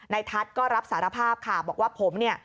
ทัศน์ก็รับสารภาพค่ะบอกว่าผมเนี่ย